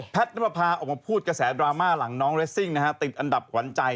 น้ำประพาออกมาพูดกระแสดราม่าหลังน้องเรสซิ่งนะฮะติดอันดับขวัญใจ